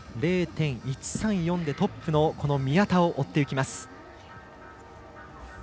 ０．１３４でトップの宮田を追っていきます。